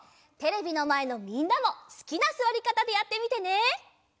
テレビのまえのみんなもすきなすわりかたでやってみてね！